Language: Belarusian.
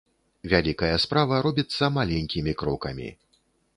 Вялікая справа робіцца маленькімі крокамі.